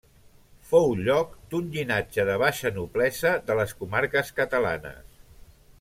Fou lloc d'un llinatge de baixa noblesa de les comarques catalanes.